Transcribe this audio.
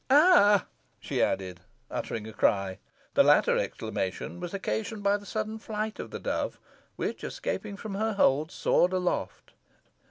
"Ah!" she added, uttering a cry. The latter exclamation was occasioned by the sudden flight of the dove, which, escaping from her hold, soared aloft.